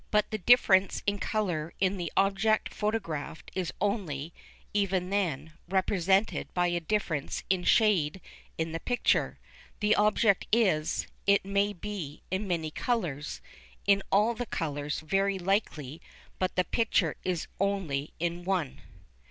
But the difference in colour in the object photographed is only, even then, represented by a difference in shade in the picture. The object is, it may be, in many colours, in all the colours, very likely, but the picture is only in one.